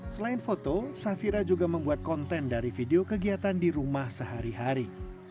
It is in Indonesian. selain foto safira juga membuat konten dari video kegiatan di rumah sehari hari